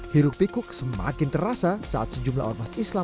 hiruk pikuk semakin terasa saat sejumlah ormas islam